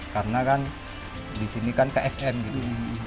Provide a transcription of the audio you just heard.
karena kan di sini kan ksm gitu